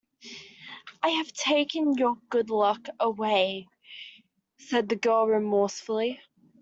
"I have taken your good luck away," said the girl remorsefully.